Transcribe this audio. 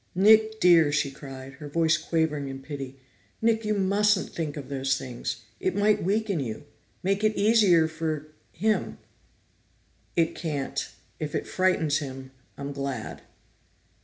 "Nick dear!" she cried, her voice quavering in pity. "Nick, you mustn't think of those things! It might weaken you make it easier for him!" "It can't. If it frightens him, I'm glad."